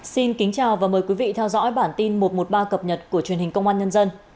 xin kính chào và mời quý vị theo dõi bản tin một trăm một mươi ba cập nhật của truyền hình công an nhân dân